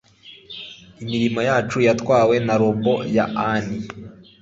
imirimo yacu, yatwawe na robot ya ani